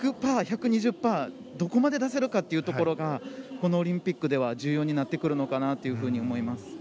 どこまで出せるかというところがこのオリンピックでは重要になってくるのかなと思います。